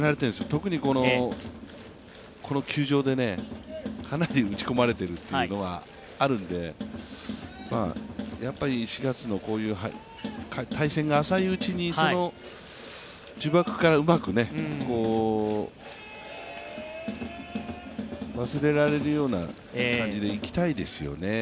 特にこの球場でかなり打ち込まれているというのはあるので、やっぱり４月の対戦が浅いうちにその呪縛からうまく忘れられるような感じでいきたいですよね。